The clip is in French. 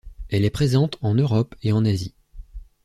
Elle est présente en Europe et en Asie.